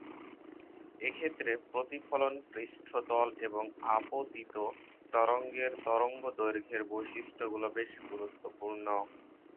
এক্ষেত্রে প্রতিফলন পৃষ্ঠতল এবং আপতিত তরঙ্গের তরঙ্গদৈর্ঘ্যের বৈশিষ্ট্যগুলো বেশ গুরুত্বপূর্ণ।